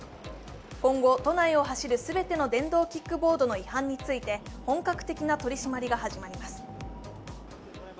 今後都内を走る全ての電動キックボードの違反について、本格的な取り締まりが始まります。